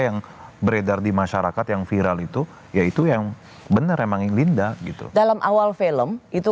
yang beredar di masyarakat yang viral itu yaitu yang bener emang yang linda gitu dalam awal film itu